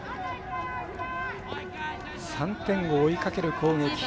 ３点を追いかける攻撃。